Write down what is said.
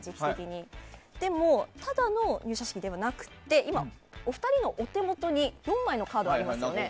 でも、ただの入社式ではなくて今、お二人のお手元に４枚のカードがありますよね。